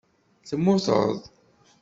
Temmuteḍ.